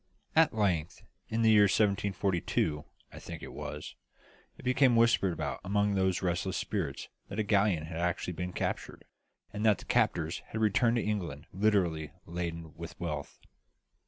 At length in the year 1742, I think it was it became whispered about among those restless spirits that a galleon had actually been captured, and that the captors had returned to England literally laden with wealth.